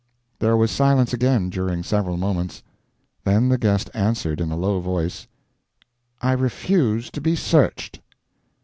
There was silence again during several moments; then the guest answered, in a low voice, "I refuse to be searched."